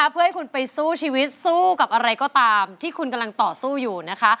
เพื่อให้คุณไปสู้ชีวิตสู้กับอะไรก็ตามที่คุณกำลังต่อสู้อยู่นะคะ